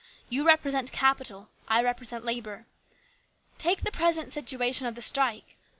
You repre sent Capital ; I represent Labour. Take the present situation of the strike.